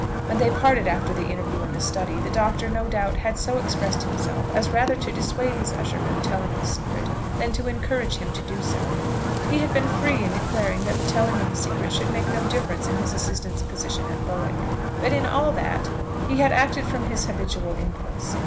When they parted after the interview in the study, the Doctor, no doubt, had so expressed himself as rather to dissuade his usher from telling his secret than to encourage him to do so. He had been free in declaring that the telling of the secret should make no difference in his assistant's position at Bowick. But in all that, he had acted from his habitual impulse.